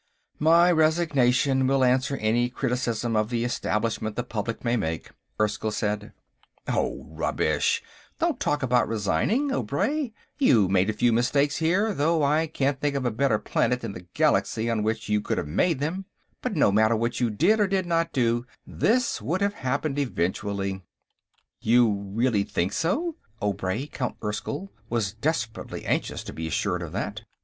"My resignation will answer any criticism of the Establishment the public may make," Erskyll began. "Oh, rubbish; don't talk about resigning, Obray. You made a few mistakes here, though I can't think of a better planet in the Galaxy on which you could have made them. But no matter what you did or did not do, this would have happened eventually." "You really think so?" Obray, Count Erskyll, was desperately anxious to be assured of that.